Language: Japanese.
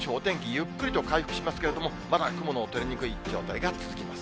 ゆっくりと回復しますけれども、まだ雲の取れにくい状態が続きます。